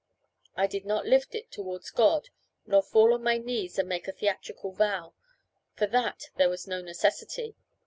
I did not lift it towards God, nor fall on my knees and make a theatrical vow; for that there was no necessity.